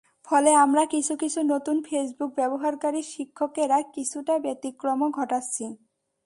ফলে আমরা কিছু কিছু নতুন ফেসবুক ব্যবহারকারী শিক্ষকেরা কিছুটা ব্যতিক্রমও ঘটাচ্ছি।